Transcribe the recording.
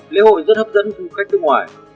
lễ hội rất hấp dẫn du khách nước ngoài